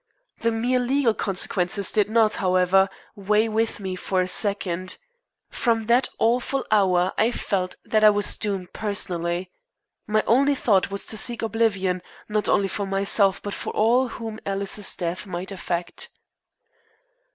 The mere legal consequences did not, however, weigh with me for a second. From that awful hour I felt that I was doomed personally. My only thought was to seek oblivion, not only for myself, but for all whom Alice's death might affect.